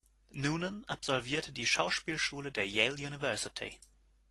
Noonan absolvierte die Schauspielschule der Yale University.